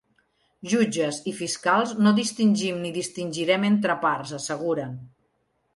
Jutges i fiscals no distingim ni distingirem entre parts, asseguren.